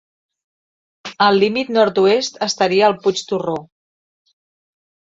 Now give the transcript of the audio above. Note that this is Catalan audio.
El límit nord-oest estaria al Puig Torró.